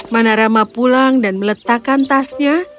manah rama pulang dan meletakkan tasnya